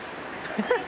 ハハハ。